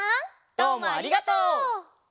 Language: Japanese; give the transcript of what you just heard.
どうもありがとう。